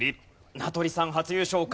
名取さん初優勝か？